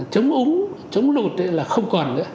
chống úng chống lụt là không còn nữa